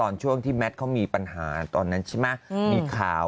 เงินสดไปเลย๖๐๐๐๐แล้วอาทองให้พี่